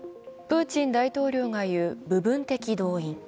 プーチン大統領が言う部分的動員。